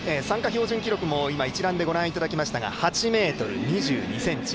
標準記録も今、一覧でご覧いただきましたが８ｍ２２ｃｍ。